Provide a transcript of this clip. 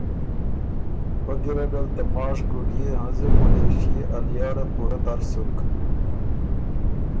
فۀ ګیرډ ال ته ماشک ګُډئے هنزُک ملېشئے ا لیاړه پُورۀ تر سُک